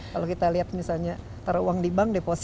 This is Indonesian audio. kalau kita lihat misalnya taruh uang di bank deposisi